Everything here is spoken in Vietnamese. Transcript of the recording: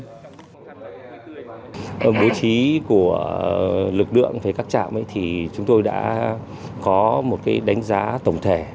trong bố trí của lực lượng với các trạm thì chúng tôi đã có một đánh giá tổng thể